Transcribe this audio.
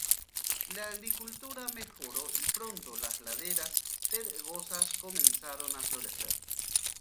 La agricultura mejoró y "pronto las laderas pedregosas comenzaron a florecer".